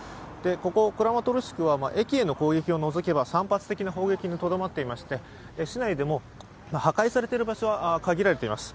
ここクラマトルシクは駅への攻撃を除けば散発的な攻撃に限られていまして市内でも破壊されている場所は限られています。